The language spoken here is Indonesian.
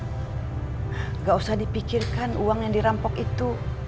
tidak usah dipikirkan uang yang dirampok itu